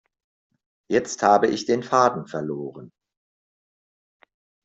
Jetzt habe ich den Faden verloren.